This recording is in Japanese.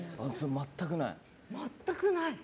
全くない。